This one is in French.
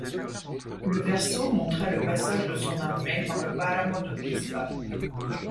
Le verso montrait le passage de son armée par le páramo de Pisba.